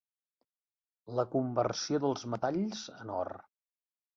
La conversió dels metalls en or.